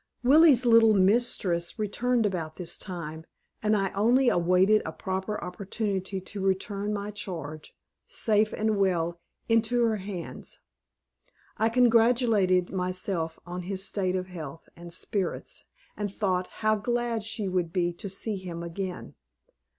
Willie's little mistress returned about this time, and I only awaited a proper opportunity to return my charge, safe and well, into her hands. I congratulated myself on his state of health and spirits, and thought how glad she would be to see him again.